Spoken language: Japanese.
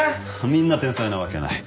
みんな天才なわけがない。